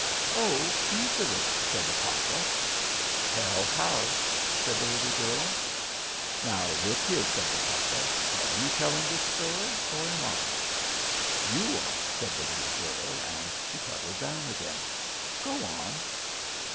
"Oh, easily," said the papa. "Tell how," said the little girl. "Now look here," said the papa, "are you telling this story, or am I?" "You are," said the little girl, and she cuddled down again. "Go on."